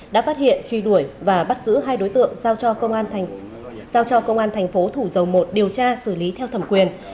đã phát hiện truy đuổi và bắt giữ hai đối tượng giao cho công an thành phố thủ dầu một điều tra xử lý theo thẩm quyền